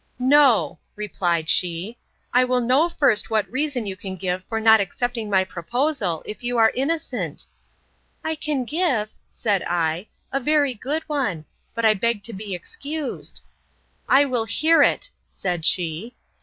No, replied she, I will know first what reason you can give for not accepting my proposal, if you are innocent? I can give, said I, a very good one: but I beg to be excused. I will hear it, said she.